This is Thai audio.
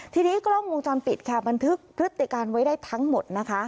ทีนี้กล้องวงจรปิดค่ะบันทึกพฤติการไว้ได้ทั้งหมดนะคะ